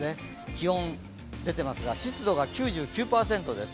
気温出てますが、湿度が９９％です。